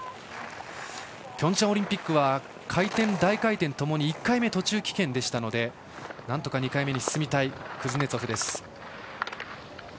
ピョンチャンオリンピックは回転、大回転ともに１回目、途中棄権でしたのでなんとか２回目に進みたいクズネツォフです。